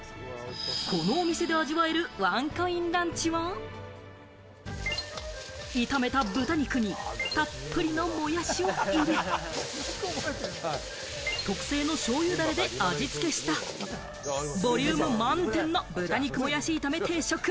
このお店で味わえるワンコインランチは、炒めた豚肉にたっぷりのもやしを入れ、特製のしょうゆダレで味付けしたボリューム満点の豚肉もやし炒め定食。